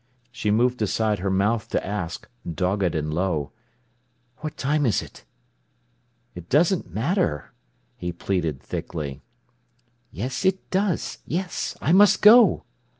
She moved aside her mouth to ask, dogged and low: "What time is it?" "It doesn't matter," he pleaded thickly. "Yes it does—yes! I must go!"